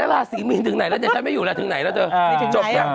ล่าสีหนีถึงไหนแล้วจะใช้ไม่อยู่ถึงไหนแล้วเจอ